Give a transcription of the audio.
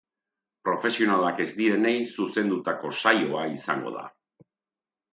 Profesionalak ez direnei zuzendutako saioa izango da.